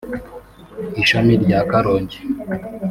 ishami rya Karongi